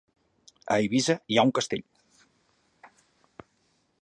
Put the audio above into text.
A Eivissa hi ha un castell?